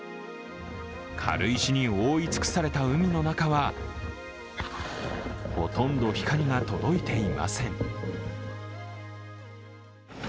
軽石に覆い尽くされた海の中は、ほとんど光が届いていません。